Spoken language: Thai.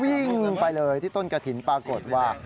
วิ่งไปเลยที่ต้นกระถิ่นปรากฏว่า